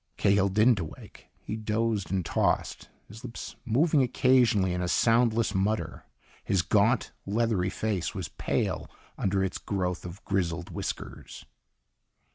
Cahill didn't awake. He dozed and tossed, his lips moving occasionally in a soundless mutter. His gaunt, leathery face was pale under its growth of grizzled whiskers.